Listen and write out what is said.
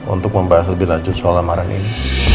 untuk membahas lebih lanjut soal lamaran ini